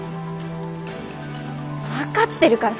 分かってるから！